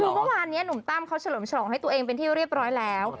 คือเมื่อวานนี้หนุ่มตั้มเขาเฉลิมฉลองให้ตัวเองเป็นที่เรียบร้อยแล้ว